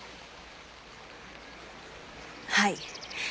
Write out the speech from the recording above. はい。